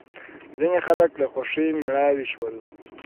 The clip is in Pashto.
ځینې خلک له خوښۍ مړاوې شول.